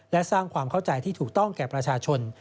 และสร้างความเข้าใจที่ถูกต้องแก่ประชาชน